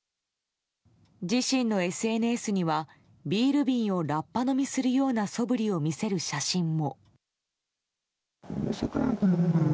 自身のＳＮＳにはビール瓶をラッパ飲みするようなそぶりを見せる写真も。